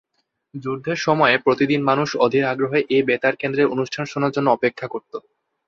যুদ্ধের সময়ে প্রতিদিন মানুষ অধীর আগ্রহে এ বেতার কেন্দ্রের অনুষ্ঠান শোনার জন্য অপেক্ষা করত।